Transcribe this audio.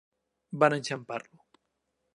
Van enxampar-lo.